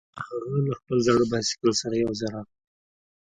هغه له خپل زاړه بایسکل سره یوځای راغلی و